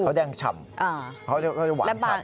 เขาแดงฉ่ำเขาจะหวานฉ่ำ